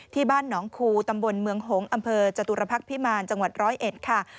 ที่บ้านหนองคูตำบลเมืองหงษ์อำเภอจตุรพักษ์พิมารจังหวัด๑๐๑ค่ะ